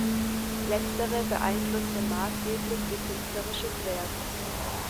Letztere beeinflusste maßgeblich ihr künstlerisches Werk.